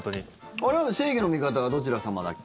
あれ、「正義の味方」はどちら様だっけ？